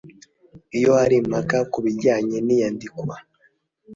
Iyo hari impaka ku bijyanye n iyandikwa